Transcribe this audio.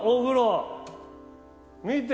見て！